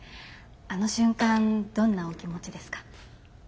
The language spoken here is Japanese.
あの瞬間どんなお気持ちですか？